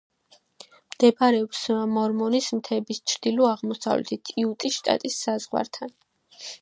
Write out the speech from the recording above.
მდებარეობს მორმონის მთების ჩრდილო-აღმოსავლეთით, იუტის შტატის საზღვართან.